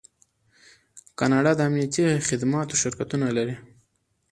کاناډا د امنیتي خدماتو شرکتونه لري.